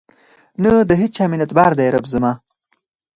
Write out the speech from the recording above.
نه د هیچا منتبار دی رب زما